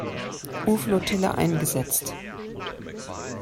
U-Flottille eingesetzt.